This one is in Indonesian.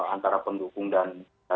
antara pendukung dan